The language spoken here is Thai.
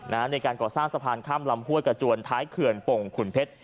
ในการก่อสร้างสะพานข้ามลำห้วยกระจวนท้ายเขื่อนปงขุนเพชร